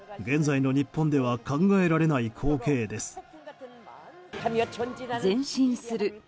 現在の日本では考えられない光景です。